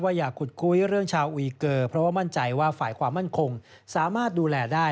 อย่าขุดคุยเรื่องชาวอุยเกอร์เพราะว่ามั่นใจว่าฝ่ายความมั่นคงสามารถดูแลได้